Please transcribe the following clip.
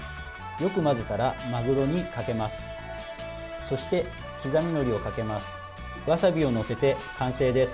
よく混ぜたら、マグロにかけます。